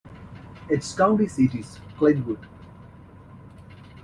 Its county seat is Clintwood.